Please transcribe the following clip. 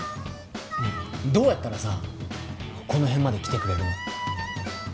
ねえどうやったらさこのへんまで来てくれるの？